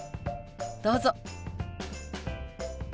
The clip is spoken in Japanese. どうぞ。